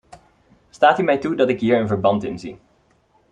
Staat u mij toe dat ik hier een verband in zie.